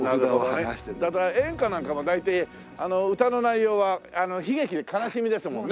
演歌なんかも大体歌の内容は悲劇で悲しみですもんね。